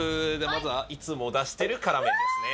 まずはいつも出してる辛麺ですね。